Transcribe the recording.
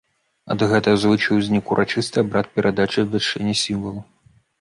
Ад гэтага звычаю ўзнік урачысты абрад перадачы і абвяшчэння сімвалу.